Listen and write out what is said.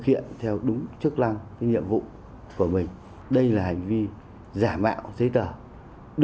hiện theo đúng chức năng cái nhiệm vụ của mình đây là hành vi giả mạo giấy tờ giấy tờ hợp pháp để nhận tiền bồi thư